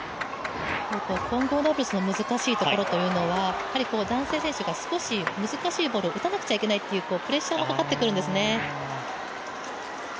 混合ダブルスの難しいところというのは男性選手が少し難しいボールを打たなくちゃいけないっていうプレッシャーもかかってくるんですね。